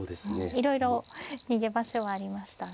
いろいろ逃げ場所はありましたが。